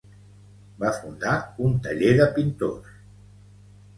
Va fundar un taller de pintors.